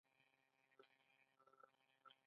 اقتصاد په چټکۍ سره وده وکړه.